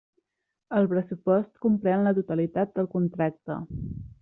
El pressupost comprèn la totalitat del contracte.